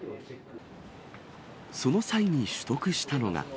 その際に取得したのが。